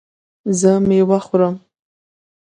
زه میوه خورم